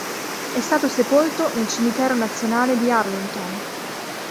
È stato sepolto nel Cimitero nazionale di Arlington.